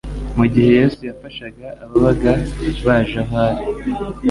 Mu gihe Yesu yafashaga ababaga baje aho ari,